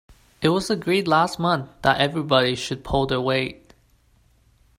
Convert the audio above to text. It was agreed last month that everybody should pull their weight